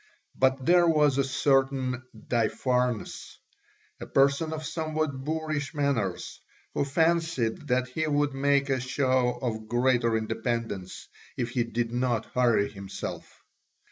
But there was a certain Daïpharnes, a person of somewhat boorish manners, who fancied that he would make a show of greater independence if he did not hurry himself.